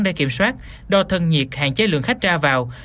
để kiểm soát đo thân nhiệt hạn chế lượng khách ra vào